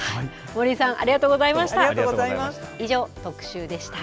森井さん、ありがとうございました。